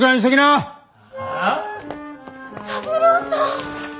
三郎さん。